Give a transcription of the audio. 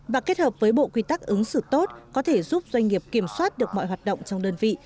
và kết hợp với bộ quy tắc ứng xử tốt có thể giúp doanh nghiệp kiểm soát được mọi hoạt động trong đơn vị